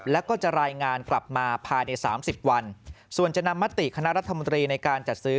แล้วก็จะรายงานกลับมาภายในสามสิบวันส่วนจะนำมติคณะรัฐมนตรีในการจัดซื้อ